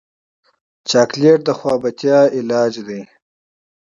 چاکلېټ د خفګان علاج دی.